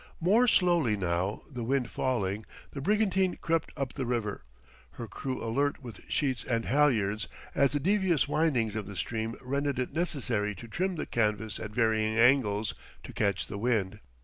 More slowly now, the wind falling, the brigantine crept up the river, her crew alert with sheets and halyards as the devious windings of the stream rendered it necessary to trim the canvas at varying angles to catch the wind.